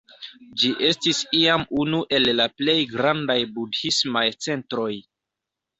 Ĝi estis iam unu el la plej grandaj budhismaj centroj.